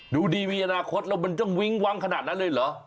ดูดีมีอนาคตแล้วมันต้องวิ้งวั้งขนาดนั้นเลยเหรอ